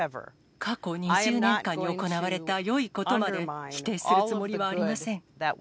過去２０年間に行われたよいことまで否定するつもりはありません。